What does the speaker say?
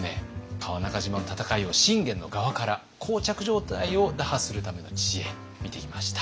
川中島の戦いを信玄の側から膠着状態を打破するための知恵見てきました。